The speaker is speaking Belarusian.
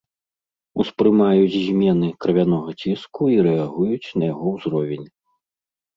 Успрымаюць змены крывянога ціску і рэагуюць на яго ўзровень.